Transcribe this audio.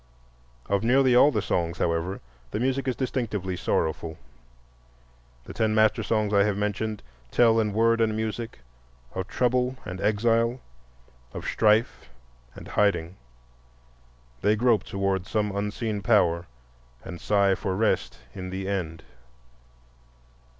Of nearly all the songs, however, the music is distinctly sorrowful. The ten master songs I have mentioned tell in word and music of trouble and exile, of strife and hiding; they grope toward some unseen power and sigh for rest in the End.